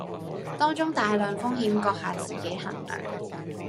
當中大量風險，閣下自己衡量